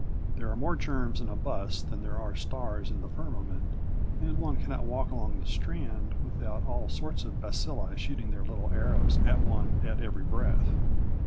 There are more germs in a bus than there are stars in the firmament, and one cannot walk along the Strand without all sorts of bacilli shooting their little arrows at one at every breath.